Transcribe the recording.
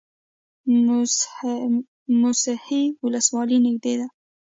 موسهي ولسوالۍ نږدې ده؟